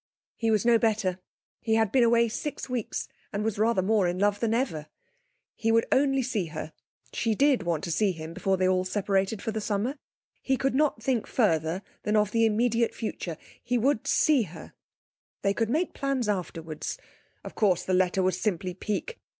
He was no better. He had been away six weeks and was rather more in love than ever. He would only see her she did want to see him before they all separated for the summer! He could not think further than of the immediate future; he would see her; they could make plans afterwards. Of course, her letter was simply pique!